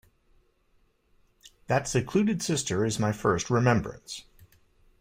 That secluded sister is my first remembrance.